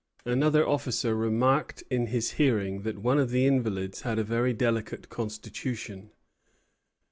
Another officer remarked in his hearing that one of the invalids had a very delicate constitution.